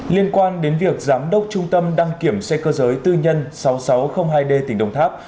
liên quan đến việc giám đốc trung tâm đăng kiểm xe cơ giới tư nhân sáu nghìn sáu trăm linh hai d tỉnh đồng tháp